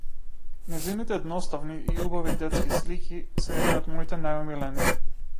Нејзините едноставни и убави детски слики се едни од моите најомилени.